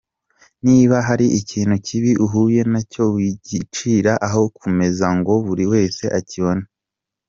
Niba hari ikintu kibi uhuye nacyo wigicira aho ku meza ngo buri wese akibone.